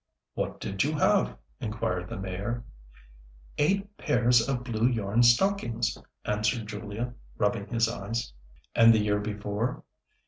"What did you have?" inquired the Mayor. "Eight pairs of blue yarn stockings," answered Julia, rubbing his eyes. "And the year before?"